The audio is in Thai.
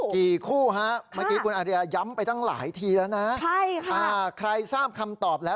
กี่คู่ฮะแม้คุณอารียะย้ำไปตั้งหลายทีแล้วนะใครทราบคำตอบแล้ว